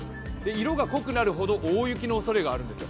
色が濃くなるほど大雪のおそれがあるんですよ。